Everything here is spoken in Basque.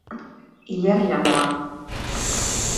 Hilerrira noa.